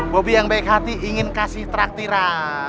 bobi yang baik hati ingin kasih traktira